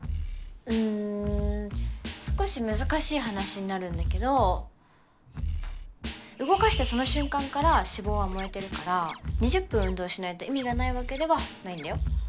うん少し難しい話になるんだけど動かしたその瞬間から脂肪は燃えてるから２０分運動しないと意味がないわけではないんだよ